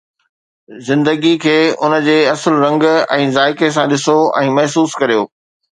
زندگي کي ان جي اصل رنگ ۽ ذائقي سان ڏسو ۽ محسوس ڪريو